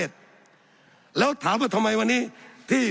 สับขาหลอกกันไปสับขาหลอกกันไป